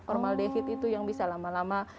formaldehyde itu yang bisa lama lama